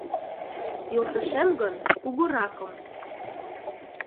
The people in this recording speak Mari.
Йолташем гын — кугуракым.